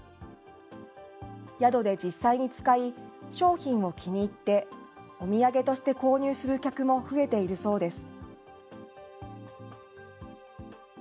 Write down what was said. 宿で実際に使い、商品を気に入って、お土産として購入する客も増えているそうです。